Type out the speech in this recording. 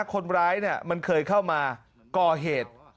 คนร้ายมันเคยเข้ามาก่อเหตุ